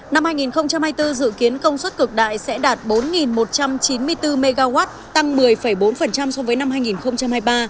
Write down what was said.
năm hai nghìn hai mươi bốn dự kiến công suất cực đại sẽ đạt bốn một trăm chín mươi bốn mw tăng một mươi bốn so với năm hai nghìn hai mươi ba